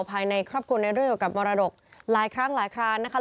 ภายในครอบครัวในเรื่องเกี่ยวกับมรดกหลายครั้งหลายครานนะคะ